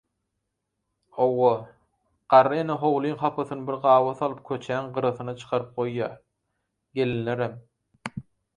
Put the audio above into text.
Hawa, garry ene howlyň hapasyny bir gaba salyp köçäň gyrasyna çykaryp goýýar, gelinlerem.